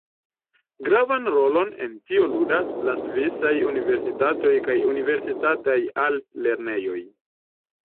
Gravan rolon en tio ludas la svisaj Universitatoj kaj universitataj altlernejoj.